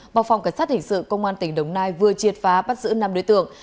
bộ phòng cảnh sát hình sự công an tỉnh đồng nai vừa triệt phá bắt giữ năm đối tượng